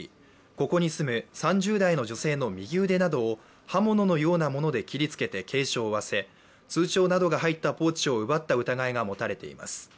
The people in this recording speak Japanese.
ここに住む３０代の女性の右腕などを刃物のようなもので切りつけて軽傷を負わせ、通帳などが入ったポーチを奪った疑いが持たれています。